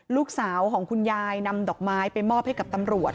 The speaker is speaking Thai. ลูกชายของคุณยายนำดอกไม้ไปมอบให้กับตำรวจ